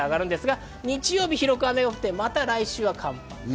日曜日は広く雨が降ってまた来週は寒波。